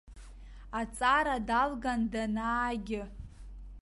Аҵара далган данаагьы.